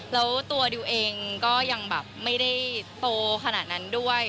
แล้วตัวดิวเองก็ยังแบบไม่ได้โตขนาดนั้นด้วย